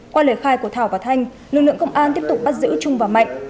qua lời khai của thảo và thanh lực lượng công an tiếp tục bắt giữ trung và mạnh